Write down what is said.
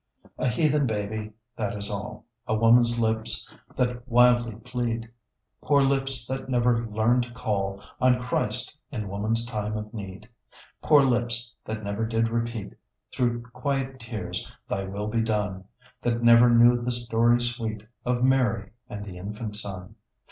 A heathen baby, that is all; A woman's lips that wildly plead; Poor lips that never learned to call On Christ, in woman's time of need! Poor lips, that never did repeat Through quiet tears, "Thy will be done," That never knew the story sweet Of Mary, and the Infant Son.